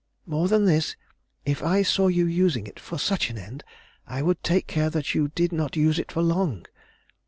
"More than this, if I saw you using it for such an end, I would take care that you did not use it for long.